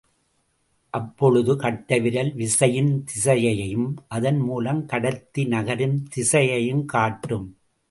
அப்பொழுது கட்டைவிரல் விசையின் திசையையும் அதன் மூலம் கடத்தி நகரும் திசையையும் காட்டும்.